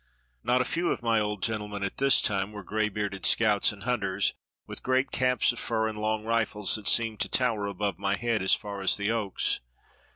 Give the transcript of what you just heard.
Not a few of my old gentlemen at this time were gray bearded scouts and hunters, with great caps of fur and long rifles that seemed to tower above my head as far as the oaks.